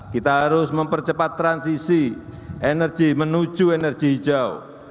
kita harus mempercepat transisi energi menuju energi hijau